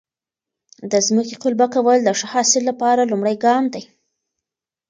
د ځمکې قلبه کول د ښه حاصل لپاره لومړی ګام دی.